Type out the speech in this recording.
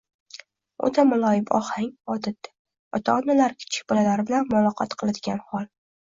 o‘ta muloyim ohang – odatda ota-onalar kichik bolalari bilan muloqot qiladigan hol.